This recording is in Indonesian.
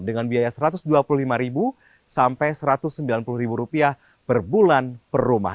dengan biaya rp satu ratus dua puluh lima sampai rp satu ratus sembilan puluh per bulan per rumah